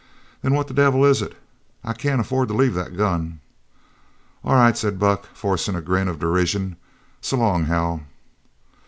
"Then what the devil is it? I can't afford to leave that gun." "All right," said Buck, forcing a grin of derision, "so long, Hal."